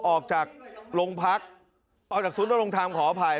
ออกจากโรงพักออกจากศูนย์ดำรงธรรมขออภัย